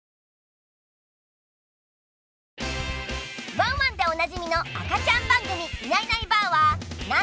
ワンワンでおなじみのあかちゃんばんぐみ「いないいないばあっ！」